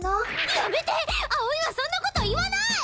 やめて葵はそんなこと言わない！